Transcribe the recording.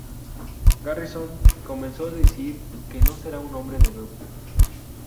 Garrison comenzó a decir que no será un hombre de nuevo.